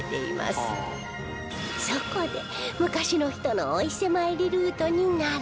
そこで昔の人のお伊勢参りルートにならい